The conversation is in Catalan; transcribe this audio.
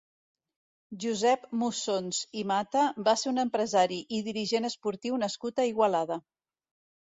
Josep Mussons i Mata va ser un empresari i dirigent esportiu nascut a Igualada.